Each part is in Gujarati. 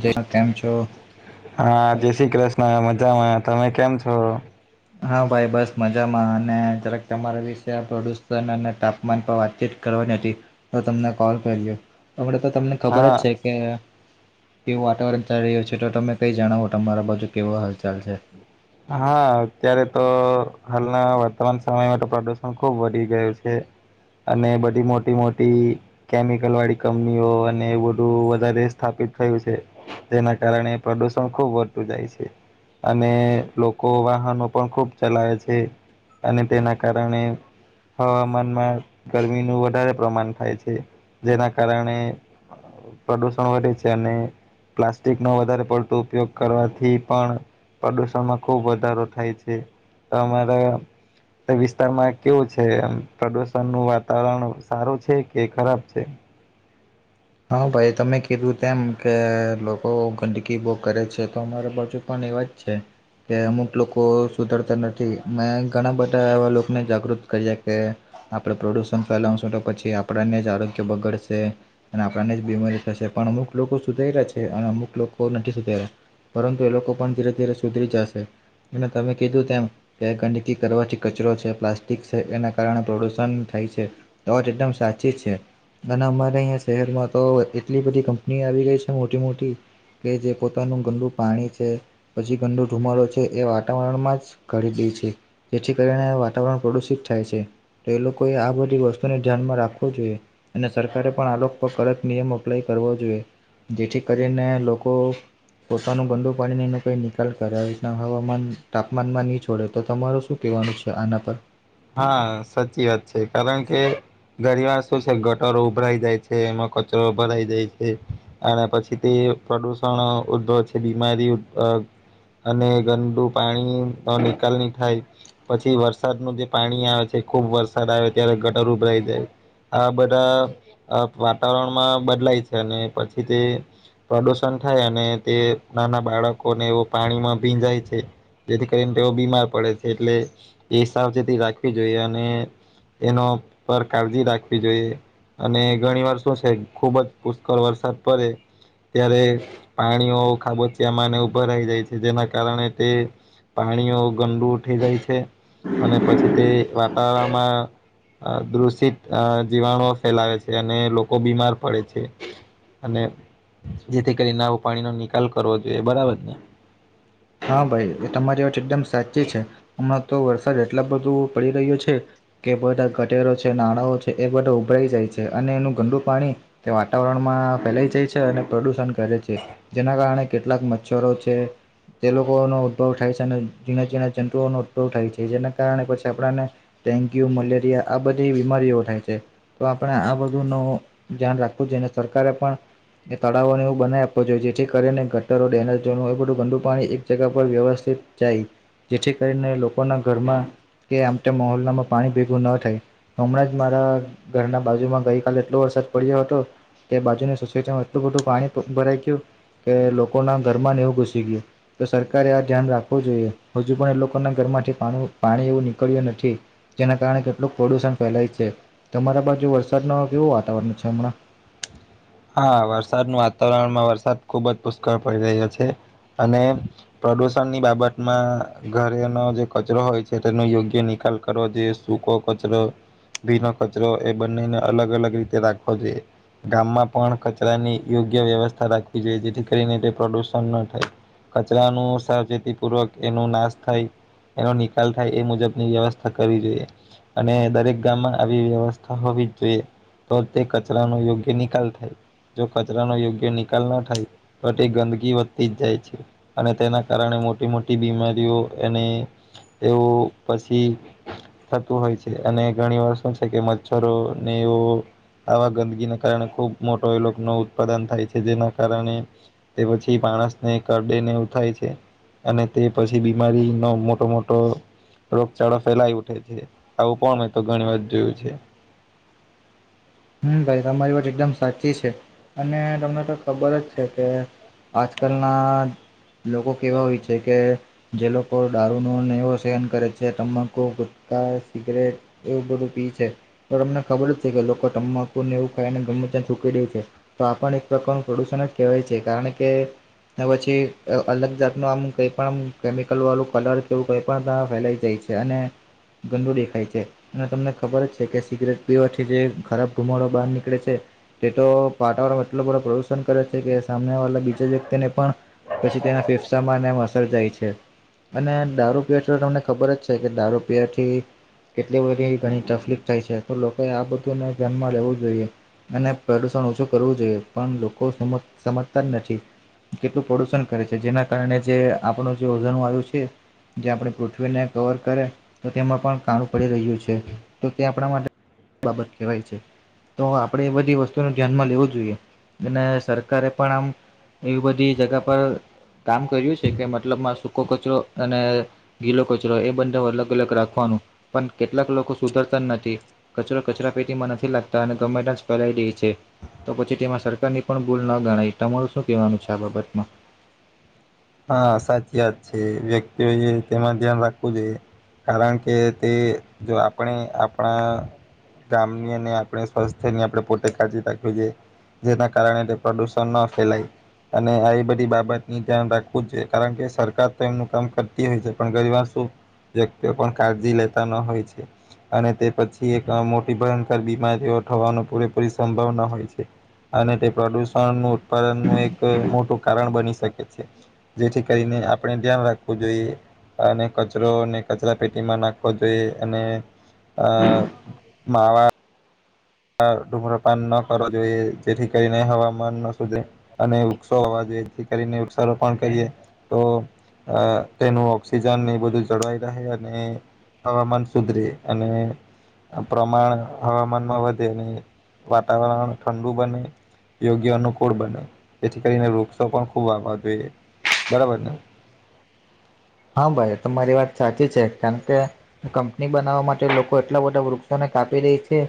જય કેમ છો? હા! જય શ્રી કૃષ્ણ. મજામાં. તમે કેમ છો? હા ભાઈ બસ મજામાં. અને જક તમારા વિશે પ્રદુષણ અને તાપમાન પર વાતચીત કર. તમ કોલ તમને ખબર હા જ છે કે. કેવું વાતાવરણ ચાલી રહ્યું છે. તો તમે કઈ જણાવો, તમારા બાજુ કેવો હાલચાલ છે? હા! અત્યારે તો હાલના વર્તમાન સમયમાં તો પ્રદુષણ ખુબ વધી ગયું છે. અને બધી મોટી મોટી કેમિકલ વાળી કંપનીઓ અને બધું વધારે સ્થાપિત. થયું છે. જેના કારણે પ્રદુષણ ખુબ વધતું જાય છે. અને લોકો વાહનો પણ ખૂબ ચલાવે છે. અને તેના કારણે. હવામાનમાં ગરમીનું વધારે પ્રમાણ થાય છે. જેના કારણે, પ્રોડ્યુસણ વદુ છે. અનેને પ્લાસ્ટિક નો વધારે પડતો ઉપયોગ કરવાથી પણ પ્રદુષણમાં. ખુબ વધારો થાય છે. તમારા તે વિસ્તારમાં કેવું છે. એમ પ્રદુષણ નું વાતાવરણ સારું છે, કે ખરાબ છે? હા ભાઈ તમે કીધું તેમ કે લોકો ગંદકી બહુ કરે છે. તો અમારા બાજુ પણ. એવા જ છે. કે અમુક લોકો સુધરતા નથી મેં ઘણા બધા એવા લોકોને જાગૃત કર્યા કે આપડે પ્રદુષણ ફેલાવશું તો પછી આપણને જ આરોગ્ય બગડશે અને આપણાને જ બીમારી થશે પણ અમુક લોકો સુધર્યા રહ્યા છે અને અમુક લોકો નથી સુધર્યા પરંતુ એ લોકો પણ ધીરે ધીરે સુધરી જાશે અને તમે કીધું તેમ કે ગંદકી કરવાથી કચરો છે પ્લાસ્ટિક છે એના કારણે પ્રદુષણ થાય છે તો જ એકદમ સાચી છે અને અમારે અહીંયા શહેરમાં તો એટલી બધી કંપની આવી ગઈ છે મોટી મોટી કે જે પોતાનું ગંદુ પાણી છે પછી ગંદુ ધુમાડો છે એ વાતાવરણ માં જ ઘડી દ છે જેથી કરીને વાતાવરણ પ્રદુષિત થાય છે તો એ લોકોએ આ બધી વસ્તુને ધ્યાનમાં રાખવો અને સરકારે પણ આ લોક કડક નિયમ અપ્લાય કરો જોઈએ જેથી કરીને લોકો પોતાનું ગંદુ પાણી ન કઈ નિકાલ કરે હવામાન તાપમાનમાં નહીં છોડે તો તમાર શું કે વાનું છે આના પર હા સાચી વાત છે કારણ કે ગરી વાર શું છે ગટરો ઉભરાઈ જાય છે એમાં કચરો ઉભરાઈ જાય છે અને પછી તે પ્રદૂષણ ઉદ્ભવ છે બીમારી અ અને ગંદુ પાણી નિકાલ ની થાય પછી વરસાદનું જે પાણી આવે છે ખુબ વરસાદ આવે ત્યારે ગટર ઉભરાઈ જાય આ બધા વાતાવરણમાં બદલાય છે અને પછી તે પ્રદુષણ થાય અને તે નાના બાળકોને એવો પાણીમાં ભીંજાય છે જેથી કરીને તેઓ બીમાર પડે છે એટલે એ સાવચેતી રાખવી જોઈએ અને એનો પર કાળજી રાખવી જોઈએ અને ઘણી વાર શું છે ખુબ જ પુષ્કળ વરસાદ પડે ત્યારે પાણીઓ ખાબોચિયામાં અને ઉભા રહી જાય છે જેના કારણે તે પાણીઓ ગંડુ ઉઠી જાય છે અને પછી તે વાતાવરણમાં અ દૂષિત અ જીવાણુઓ ફેલાવે છે અને લોકો બીમાર પડે છે અને જેથી કરી નાવું પાણીનો નિકાલ કરવો જોઈએ બરાબર ને હા ભાઈ એ તમારી વાત એકદમ સાચી છે હમણા તો વરસાદ એટલા બધું પડી રહ્યો છે કે બધા ગટેરો છે નાણાંઓ છે એ બધા ઉભરાઈ જાય છે અને એનું ગંદુ પાણી તે વાતાવરણમાં ફેલાઈ જાય છે અને પ્રદુષણ કરે છે જેના કારણે કેટલાક મચ્છરો છે તે લોકોનો ઉદભવ થાય છે અને જીણા જીણા જંતુઓનો ઉદભવ થાય છે જેના કારણે પછી આપણાને ડેન્ગ્યુ મલેરિયા આ બધી બીમારીઓ થાય છે તો આપણે આ બધું નો ધ્યાન રાખું જે સરકારે પણ એ તળાવોને એવું બનાવી આપવું જોઈએ જેથી કરીને ગટરો ડેનેજ બધું ગંદુ પાણી એક જગ પર વ્યવસ્થિત જાય જેથી કરીને લોકોના ઘરમાં કે આમ તો મોહોલ્લામાં પાણી ભેગું ન થાય હમણાં જ મારા ઘરના બાજુમાં ગઈકાલે એટલો વરસાદ પડ્યો હતો તે બાજુની સોસાયટીમાં એટલું બધું પાણી ભ ભરાઈ ગયું કે લોકો ના ઘરમાં એવું ઘુસી ગયું તો સરકારે આ ધ્યાન રાખવું જોઈએ હજુ પણ એ લોકોના ઘરમાંથી પાણ પાણી એવું નીકળ્યું નથી જેના કારણે કેટલુંક પ્રદુષણ ફેલાય છે તમારા બાજુ વરસાદનું કેવું વાતાવરણ છે હમણાં [inaudible] હા વરસાદનું વાતાવરણમાં વરસાદ ખુબ જ પુષ્કળ પડી રહ્યો છે અને પ પ્રદુષણ ની બાબતમાં ઘરેનો જે કચરો હોય છે તેનો યોગ્ય નિકાલ કરવો જોઈએ શું કો ચરો ભીનો કચરો એ બંનેને અલગ અલગ રીતે રાખવો જોઈએ ગામમાં પણ કચરાની યોગ્ય વ્યવસ્થા રાખવી જોઈએ જેથી કરીને પ્રદુષણ ન થાય કચરાનો સાવચેતી પૂર્વક એનો નાશ થાય એનો નિકાલ થાય એ મુજબની વ્યવસ્થા કરવી જોઈએ અને દરેક ગામમાં આવી વ્યવસ્થા હોવી જોઈએ તો તે કચરાનો યોગ્ય નિકાલ થાય જો કચરાનો યોગ્ય નિકાલ ન થાય તો તે ગંદકી વધતી જ જાય છે અને તેના કારણે મોટી મોટી બીમારીઓ અને એવું પછી થતું હોય છે અને ઘણી વાર શું છે કે મચ્છરો ને એવું આવા ગંદકીને કારણે ખુબ મોટો એલોકો નો ઉત્પાદન થાય છે જેના કારણે તે પછી માણસને કરડેને એઉ થાય છે. અને તે પછી બીમારીનો મોટો મોટો રોગચાળો ફેલાય ઉઠે છે. આવું પણ મેં તો ઘણી વાર જોયું છે. [inaudible] હમ્મ, ભાઈ તમારી વાત એકદમ સાચી છે અને તમને તો ખબર જ છે કે આજકાલના લોકો કેવા હોય છે કે જે લોકો દારૂ નોને એવો સેહન કરે છે તમાંકુ ગુટકા, સિગરેટ એવું બધું પી છે તો તમને ખબર જ છે કે લોકો તમબા ને એવું ખાઈને ગમે તે થૂંકી દે છે તો આપ પણ એક પ્રકારનું પ્રદુષણ જ કહેવાય છે કારણ કે ને પછી અલગ જાત નુ આમ કઈ પણ આમ કેમિકલ વાળું કલર કેવું કઈ પણ તા ફેલાઈ જાય. અને ગંદુ દેખાય છે અને તમને ખબર છે કે સિગરેટ પીવાથી જે ખરાબ ઘુમાડો બહાર નીકળે છે તે તો પાટવારમાં એટલો બધો પ્રદુષણ કરે છે કે સામને વાલા બીજા વ્યક્તિ અને પણ પછી તેના ફેફસામાં અને અસર થાય છે. અને દારૂ પીવાથી તમને ખબર જ છે કે દારૂ પીવાથી કેટલી બધી ઘણી તકલીફ થાય છે તો લોકો આ બધું ધ્યાનમાં લેવું જોઈએ અને પ્રદુષણ ઓછું કરવું જોઈએ પણ લોકો સમજતા જ નથી. કેટલું પ્રદુષણ કરે છે જેના કારણે જે આપણું જે ઉર્જા નુ વાયુ છે જે આપણે પૃથ્વીને કવર કરે તો તેમાં પણ કાણું પડી રહ્યું છે તો તે આપણા માટે આ બાબત કહેવાય છે. તો આપણેે એ બધી વસ્તુનું ધ્યાનમાં લેવું જોઈએ અને સરકારે પણ આમ એવી બધી જગા પર કામ કર્યું છે કે મતલબમાં સૂકો કચરો અને ગીલો કચરો એ બને અલગ અલગ રાખવાન નો પણ કેટલાક લોકો સુધરતા નથી કચરો કચરા પેટીમાં નથી લાગતા અને ગમે ત્યાં જ ફલાઈ દે છે. તો પછી તેમાં સરકારની પણ ભૂલ ન ગણાય તમારું શું કહેવાનું છે આ બાબતમાં? હા સાચી વાત છે. વ્યક્તિઓ એ તેમાં ધ્યાન રાખવું જોઈએ. કારણ કે તે જો આપણે આપણા ગામની અને આપણે સ્વાસ્થ્યની આપણે પોતે કાળજી રાખવી જોઈએ. જેના કારણે તે પ્રદુષણ ન ફેલાય અને આ બધી બાબતની જવાબદારી એ છે. કારણ કે સરકાર તો એમનું કામ કરતી હોય છે પણ ઘણીવાર શું વ્યક્તિઓ પણ કાળજી લેતા ન હોય છે અને તે પછી એક મોટી અ ભયંકર બીમારીઓ થવાનો પૂરેપૂરી સંભાવના હોય છે. અને તે પ્રદુષણ નું ઉત્પાદન નું એક મોટું કારણ બની શકે છે. જેથી કરીને આપણે ધ્યાન રાખવું જોઈએ. અને કચરોને કચરા પેટીમાં નાખવો જોઈએ અને આ માવા ધૂમ્રપાન ન કરવા જોઈએ. જેથી કરીને હવામાન નો શોધે અને વૃક્ષો હોવા જો જેથી કરીને વુક્ષારોપણ કરીએ તો અ તેનું ઓક્સિજન એ બધું જળવાઈ રહે અને હવામાન સુધરે અને પ્રમાણ હવામાનમાં વ તેને વાતાવરણ ઠંડુ બને. યોગ્ય અનુકૂળ બને જેથી કરીને વૃક્ષો પણ ખૂબ વાવા જોઈએ. બરાબર ને? [inaudible] હા ભાઈ તમારી વાત સાચી છે. કારણ કે કંપની બનાવવા માટે લોકો એટલા બધા વૃક્ષોને કાપી રહી છે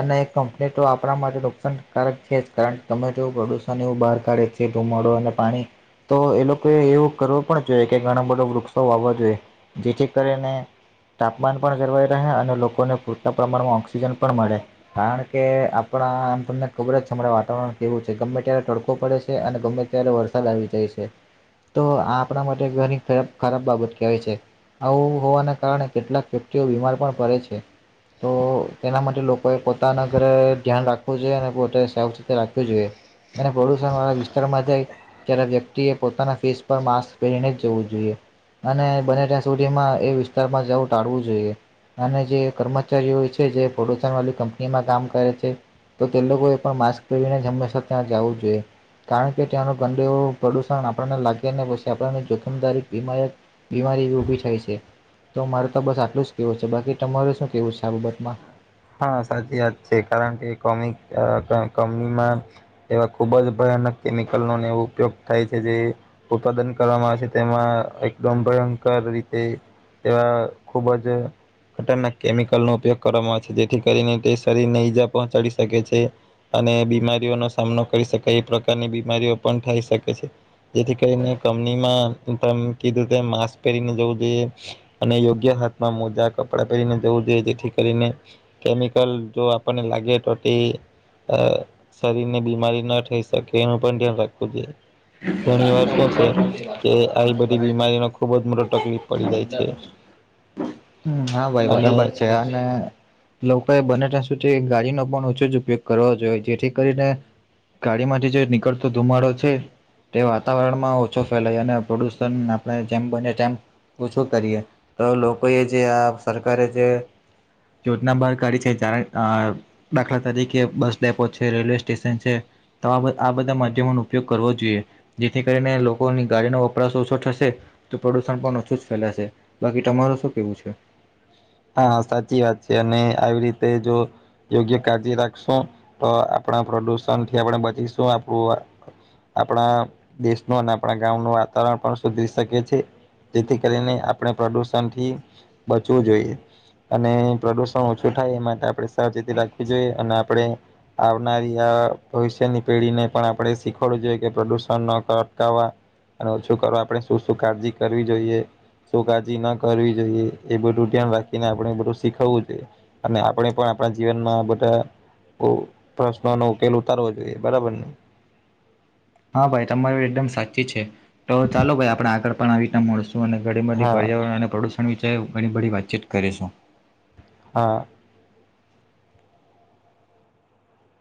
અને એક કંપની તો આપણા માટે નુકસાનકારક છે જ કારણ કે તમે તેઓ પ્રદૂષણ એવું બહાર કાઢે છે ધુમાડો અને પાણી. તો એ લોકો એવું કરવો પણ જોઈએ કે ઘણા બધો વૃક્ષ વાવા જોઈએ. જેથી કરીને તાપમાન પણ ગર્વાઈ રહે અને લોકોને પૂરતા પ્રમાણમાં ઓક્સિજન પણ મળે. કારણ કે આપ આપણા આમ તમને ખબર જ છે અમાણે વાતાવરણ કેવું છે ગમે ત્યારે તડકો પડે છે અને ગમે ત્યારે વરસાદ આવી જાય છે તો આ આપણા માટે ઘણી ખરાબ ખરાબ બાબત કહેવાય છે આવું હોવાને કારણે કેટલાક વ્યક્તિઓ બીમાર પણ પડે છે તો તેના માટે લો કોઈ પોતાના ઘરે ધ્યાન રાખવું જોઈએ અને પોતે સાવ ચેતી રાખવી જોઈએ અને પ્રદુષણ વાળા વિસ્તારમાં જાય ત્યારે વ્યક્તિએ પોતાના ફેસ પર માસ્ક પહેરીને જ જવું જોઈએ અને બને ત્યાં સુધીમાં એ વિસ્તારમાં જવું ટાળવું જોઈએ અને જે કર્મચારીઓ છે જે [unintelligible] વાળી કંપનીમાં કામ કરે છે તો તે લોકો એ પણ માસ્ક પહેરીને જ હંમેશા ત્યાં જવું જોઈએ કારણ કે ત્યાંનું ગંદુ પ્રદુષણ આપણને લાગશે ને પસી આપણને જોખમદારી હિમાયત બીમારી ઊભી થાય છે. તો મારે તો બસ આટલું જ કેવું છે બાકી તમારું શું કેવું છે આ બાબતમાં? હા સાચી વાત છે કારણ કે [unintelligible] કપનીમાં એવા ખુબ જ ભ [unintelligible] કેમિકલ નો એવો ઉપયોગ થાય છે જે ઉત્પાદન કરવામાં આવે છે તેમાં એકદમ ભય કર રીતે તેવા ખુબ જ ખતરનાક કેમિકલ નો ઉપયોગ કરવામાં આવે છે. જે જેથી કરીને તે શરીર ને ઈજા પહોંચાડી શકે છે અને બીમારીઓનો સામનો કરી શકાય એ પ્રકાર ની બીમારીઓ પણ થાય શકે છે. જેથી કરીને કમનીમાં તમે કીધું તેમ માસ્ક પહેરીને જવું જોઈએ અને યોગ્ય હાથમાં મોજા કપડાં પહેરીને જવું જોઈએ જેથી કરીને કેમિકલ જો આપને લાગે તો તે અ શરીર ની બીમારી ન થઈ શકે એનું પન ધ્યાન રાખવું જોઈએ. ઘણી વાર શું છે કે આવી બધી બીમારીનો ખુબ જ મોટો તકલીફ પડી જાય છે [inaudible] હા ભાઈ અને બરાબર છે અને લોકોએ બને ત્યાં સુધી ગાડીનો પણ ઓછો જ ઉપયોગ કરવો જોઈએ જેથી કરીને ગાડીમાંથી જે છે નીકળતો ધુમાડો છે તે વાતાવરણમાં ઓછો ફેલાય અને પ્રદુષણ આપણે જેમ બને તેમ ઓછું કરીએ તો લોકોએ જે આ સરકારે જે યોજના બાર કાડી છે [unintelligible] દાખલા તરીકે બસ ડેપો છે રેલવે સ્ટેશન છે તો આ બધા માધ્યમોનો ઉપયોગ કરવો જોઈએ જેથી કરીને લોકોની ગાડીનો વપરાશ ઓછો થશે તો પ્રદુષણ પણ ઓછું જ ફેલાશે બાકી તમારું શું કેવું છે હા સાચી વાત છે અને આવી રીતે જો યોગ્ય કાળજી રાખશું તો આપણા પ્રદુષણ થી આપણે બચીશું આપણુ આ આપણા દેશનું અને આપણા ગામનુ વાતાવરણ પણ સુધરી શકે છે જેથી કરીને આપણે પ્રદુષણ થી બચવું જોઈએ અને પ્રદુષણ ઓછું થાય એ માટે આપણે સાવચેતી રાખવી જોઈએ અને આપણે આવનારી આ ભવિષ્યની પેઢી ને પણ આપણે શિખવું જોઈએ કે પ્રદુષણ અટકાવવા અને ઓછું કરવા આપણે શું શું કાળજી કરવી જોઈએ શું કાળજી ન કરવી જોઈએ એ બધું ધ્યાન રા તેને આપણે બધું શીખવવું જોઈએ અને આપણે પણ આપણા જીવનમાં બધા ઓ પ્રશ્નનો ઉકેલ ઉતારવો જોઈએ બરાબર ને હા ભાઈ તમારી એકદમ સાચી છે તો ચાલો ભાઈ આપણે આગળ પણ આવી રીતના મળશું અને [unintelligible] હા પર્યાવરણ અને પ્રદુષણ [unintelligible] ઘણી બધી વાતચીત કરીશું હા